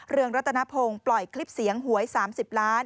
เรืองรัตนพงศ์ปล่อยคลิปเสียงหวย๓๐ล้าน